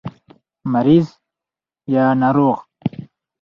مريض √ ناروغ